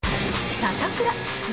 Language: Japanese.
サタプラ。